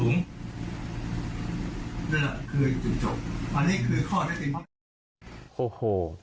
อันนี้คือข้อเท็จจริง